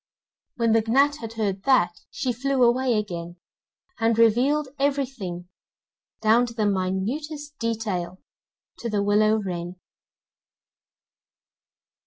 When the gnat had heard that, she flew away again, and revealed everything, down to the minutest detail, to the willow wren.